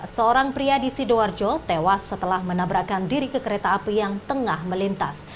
seorang pria di sidoarjo tewas setelah menabrakkan diri ke kereta api yang tengah melintas